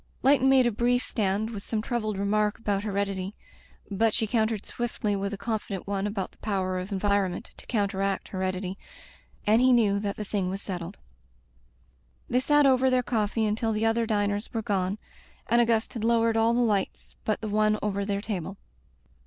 Leighton made a brief stand with some troubled remark about heredity, but she countered swifdy with a confident one about the power of environment to counteract heredity, and he knew that the thing was setded. They sat over their coffee until the other diners were gone, and Auguste had lowered all the lights but the one over their table.